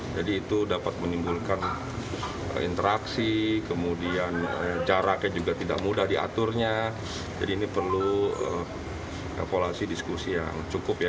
jadi itu dapat menimbulkan interaksi kemudian jaraknya juga tidak mudah diaturnya jadi ini perlu evaluasi diskusi yang cukup ya